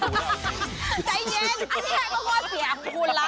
ใจเย็นอันนี้แหละก็ว่าเสียของคุณล่ะ